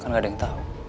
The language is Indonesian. kan ga ada yang tau